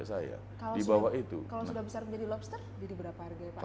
kalau sudah besar menjadi lobster jadi berapa harganya pak